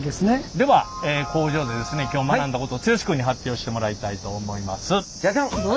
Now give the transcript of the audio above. では工場でですね今日学んだことを剛君に発表してもらいたいと思います。